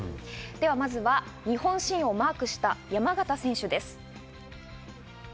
まずは日本新をマークした山縣選手です。